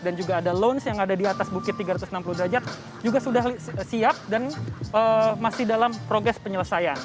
dan juga ada lounge yang ada di atas bukit tiga ratus enam puluh derajat juga sudah siap dan masih dalam progres penyelesaian